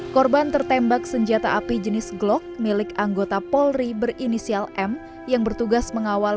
korban tertembak senjata api jenis glock milik anggota polri berinisial m yang bertugas mengawal